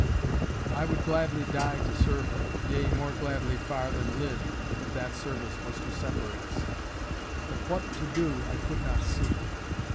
I would gladly die to serve her—yea, more gladly far than live, if that service was to separate us. But what to do I could not see.